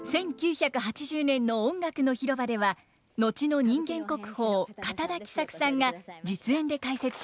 １９８０年の「音楽の広場」では後の人間国宝堅田喜三久さんが実演で解説しました。